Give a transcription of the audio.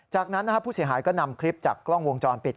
จากนั้นผู้เสียหายก็นำคลิปจากกล้องวงจรปิด